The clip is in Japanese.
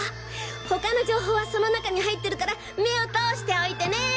他の情報はその中に入ってるから目を通しておいてね！